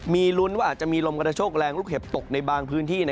มีลุ้นว่าอาจจะมีลมกระโชคแรงลูกเห็บตกในบางพื้นที่